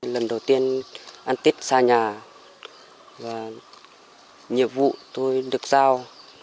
lần đầu tiên ăn tết ra nhà nhiệm vụ tôi được giao